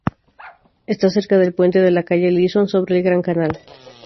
Está cerca del puente de la calle Leeson sobre el Gran Canal.